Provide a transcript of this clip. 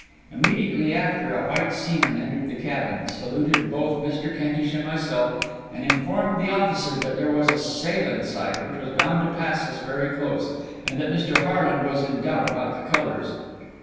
Immediately after, a white seaman entered the cabin, saluted both Mr. Kentish and myself, and informed the officer there was a sail in sight, which was bound to pass us very close, and that Mr. Harland was in doubt about the colours.